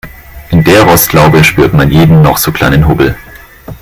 In der Rostlaube spürt man jeden noch so kleinen Hubbel.